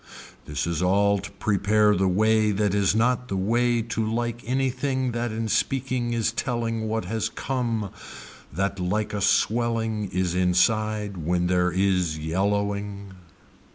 This is all to prepare the way that is not the way to like anything that in speaking is telling what has come that like a swelling is inside when there is yellowing.